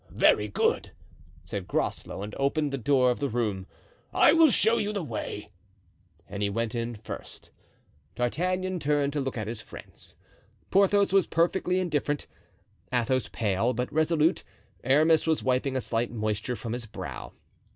"Very good," said Groslow, and opened the door of the room. "I will show you the way," and he went in first. D'Artagnan turned to look at his friends. Porthos was perfectly indifferent; Athos, pale, but resolute; Aramis was wiping a slight moisture from his brow.